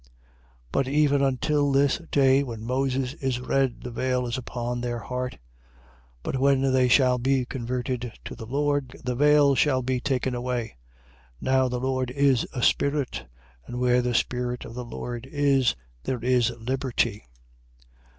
3:15. But even until this day, when Moses is read, the veil is upon their heart. 3:16. But when they shall be converted to the Lord, the veil shall be taken away. 3:17. Now the Lord is a Spirit. And where the Spirit of the Lord is, there is liberty.